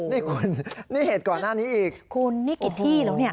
นี่คุณนี่เหตุก่อนหน้านี้อีกคุณนี่กี่ที่แล้วเนี่ย